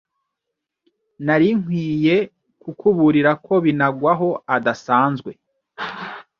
Nari nkwiye kukuburira ko Binagwaho adasanzwe.